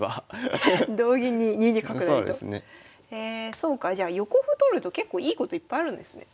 そうかじゃあ横歩取ると結構いいこといっぱいあるんですね。